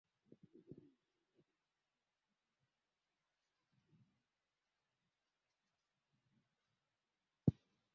hupewa pombe ya mbege asubuhi mchana na jioniSababu nyingine ni kazi mama wa